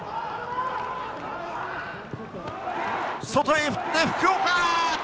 外へ振って福岡。